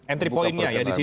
entry point nya ya di situ